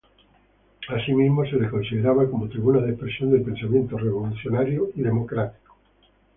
Asimismo, se le consideraba como tribuna de expresión del pensamiento revolucionario y democrático.